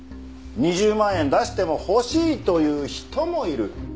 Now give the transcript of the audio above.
２０万円出しても欲しいという人もいる。